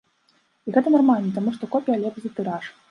І гэта нармальна, таму што копія лепш за тыраж.